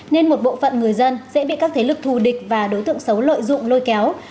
nên một bộ phận người dân sẽ bị các thế lực thù địch và đối tượng xấu lợi dụng lôi kéo